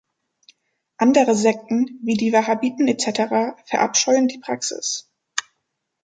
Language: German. Andere Sekten, wie die Wahhabiten etc., verabscheuen die Praxis.